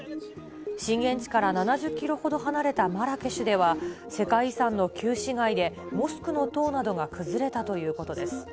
震源地から７０キロほど離れたマラケシュでは、世界遺産の旧市街でモスクの塔などが崩れたということです。